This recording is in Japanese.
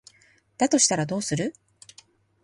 だとしたらどうする？